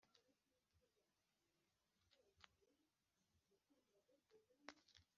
mbere y’uko hagira umuntu umurega, yari yamaze kwicuza ibyaha bye